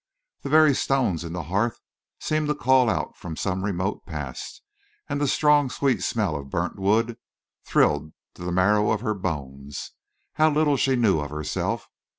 The very stones in the hearth seemed to call out from some remote past, and the strong sweet smell of burnt wood thrilled to the marrow of her bones. How little she knew of herself!